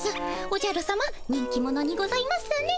おじゃるさま人気者にございますね。